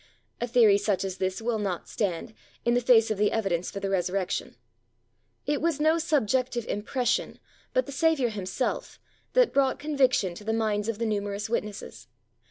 A theory such as this will not stand, in the face of the evidence for the Resurrection. It was no subjective impression, but the Saviour Himself, that brought conviction to the minds of the numerous witnesses.